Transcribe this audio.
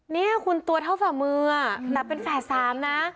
นี่คุณตัวเท่าฝ่ามือแต่เป็นแฝด๓นะ